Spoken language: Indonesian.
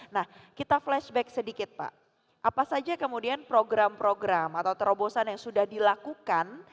nah kita flashback sedikit pak apa saja kemudian program program atau terobosan yang sudah dilakukan